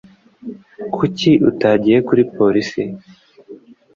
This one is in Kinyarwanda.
Kuki utagiye kuri polisi?